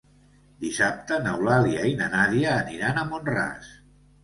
Dissabte n'Eulàlia i na Nàdia aniran a Mont-ras.